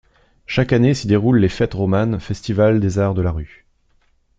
Chaque année, s'y déroulent les Fêtes Romanes, Festival des arts de la rue.